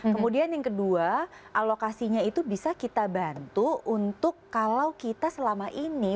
kemudian yang kedua alokasinya itu bisa kita bantu untuk kalau kita selama ini